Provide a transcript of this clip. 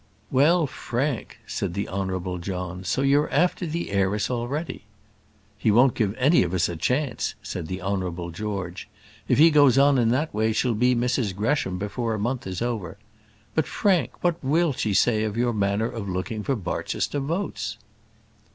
"Well Frank," said the Honourable John; "so you're after the heiress already." "He won't give any of us a chance," said the Honourable George. "If he goes on in that way she'll be Mrs Gresham before a month is over. But, Frank, what will she say of your manner of looking for Barchester votes?"